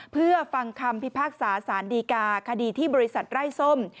เพื่อฟังคำพิพากษาสารดีกาคดีที่บริษัทไร้ส้ม